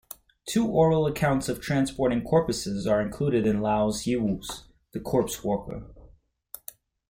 Two oral accounts of transporting corpses are included in Liao Yiwu's "The Corpse Walker".